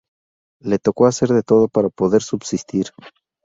Le tocó hacer de todo para poder subsistir.